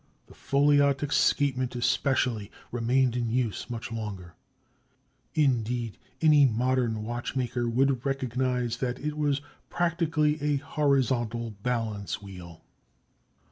The foliot escapement, especially, remained in use much longer. Indeed, any modern watchmaker would recognize that it was practically a horizontal balance wheel.